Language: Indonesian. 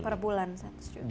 per bulan seratus juta